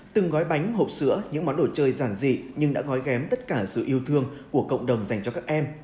từng gói bánh hộp sữa những món đồ chơi giản dị nhưng đã gói ghém tất cả sự yêu thương của cộng đồng dành cho các em